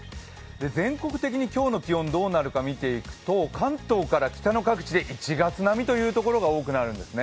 全国的に今日の気温、どうなるのか見ていくと関東から北の各地で１月並みという所が多くなるんですね。